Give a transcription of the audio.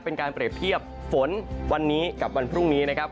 เป็นการเปรียบเทียบฝนวันนี้กับวันพรุ่งนี้นะครับ